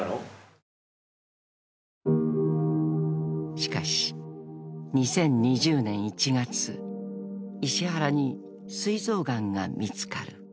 ［しかし２０２０年１月石原に膵臓がんが見つかる］